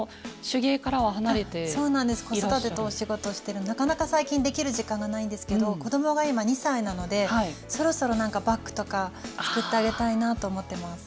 子育てとお仕事してるなかなか最近できる時間がないんですけど子供が今２歳なのでそろそろバッグとか作ってあげたいなぁと思ってます。